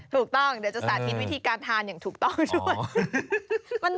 ถูกต้องเดี๋ยวจะสาธิตวิธีการทานอย่างถูกต้องด้วย